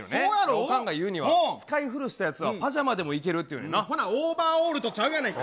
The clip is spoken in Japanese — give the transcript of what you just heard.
おかんが言うには、使い古したやつはパジャマでもいけるってほな、オーバーオールと違うやないか。